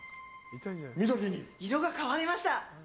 色が変わりました。